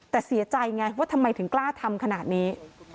แต่เสียใจไงว่าทำไมถึงกล้าทำขนาดนี้